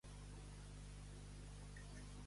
On es funda el convent?